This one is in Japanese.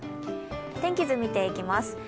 天気図を見ていきます。